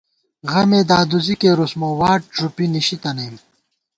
غمےدادُوزی کېرُس مو ، واٹ ݫُپی نِشِی تَنَئیم